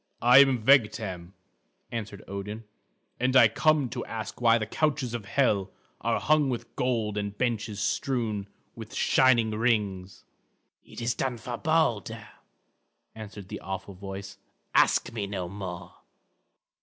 "I am Vegtam," answered Odin, "and I come to ask why the couches of Hel are hung with gold and the benches strewn with shining rings?" "It is done for Balder," answered the awful voice; "ask me no more."